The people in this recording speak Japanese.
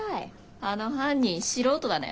あの犯人素人だね。